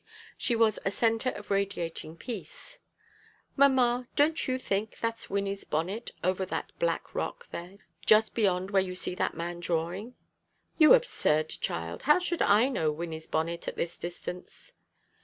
She was a centre of radiating peace. "Mamma, don't you think that's Wynnie's bonnet over that black rock there, just beyond where you see that man drawing?" "You absurd child! How should I know Wynnie's bonnet at this distance?"